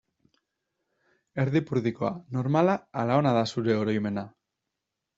Erdipurdikoa, normala ala ona da zure oroimena?